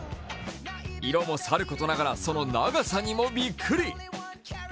色もさることながら、その長さにもびっくり！